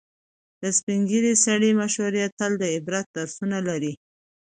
د سپینې ږیرې سړي مشورې تل د عبرت درسونه لري.